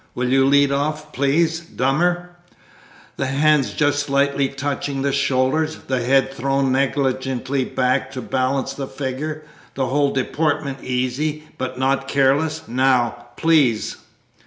Will you lead off, please, Dummer; the hands just lightly touching the shoulders, the head thrown negligently back to balance the figure; the whole deportment easy, but not careless. Now, please!"